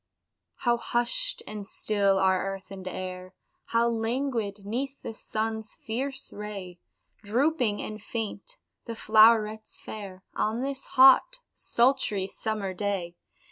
How hushed and still are earth and air, How languid 'neath the sun's fierce ray Drooping and faint the flowrets fair, On this hot, sultry, summer day!